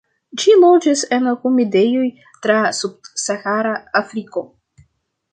Ĝi loĝas en humidejoj tra subsahara Afriko.